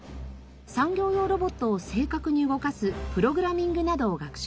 産業用ロボットを正確に動かすプログラミングなどを学習します。